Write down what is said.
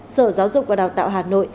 sở giáo dục và đào tạo hà nội